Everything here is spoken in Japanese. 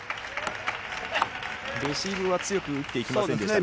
レシーブは強く打っていきませんでしたけどね。